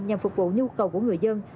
nhằm phục vụ nhu cầu của người dân